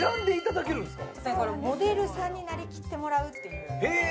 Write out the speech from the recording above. モデルさんになりきってもらうというのでへえ！